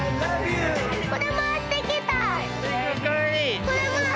これもらってきた。